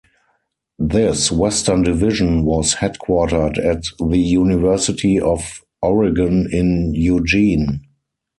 This western division was headquartered at the University of Oregon in Eugene.